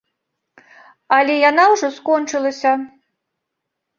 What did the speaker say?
Але яна ўжо скончылася.